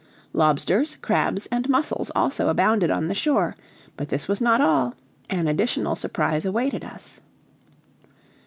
Lobsters, crabs, and mussels also abounded on the shore. But this was not all; an additional surprise awaited us.